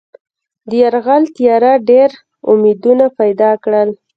د یرغل تیاریو ډېر امیدونه پیدا کړل.